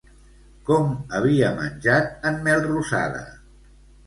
Com havia menjat en Melrosada?